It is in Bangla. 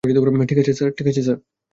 ঠিক আছে, স্যার?